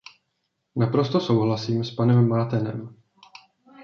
Naprosto souhlasím s panem Maatenem.